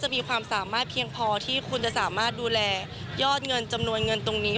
มีความสามารถเพียงพอที่คุณจะสามารถดูแลยอดเงินจำนวนเงินตรงนี้